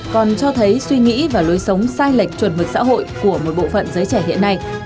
còn cho thấy suy nghĩ và lối sống sai lệch chuẩn mực xã hội của một bộ phận giới trẻ hiện nay